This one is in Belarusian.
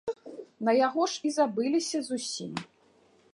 На яго ж і забылася зусім.